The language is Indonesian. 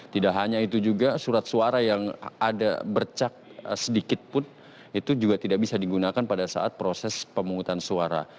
tidak hanya itu juga surat suara yang ada bercak sedikit pun itu juga tidak bisa digunakan pada saat proses pemungutan suara